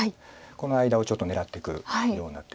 この間をちょっと狙っていくような手。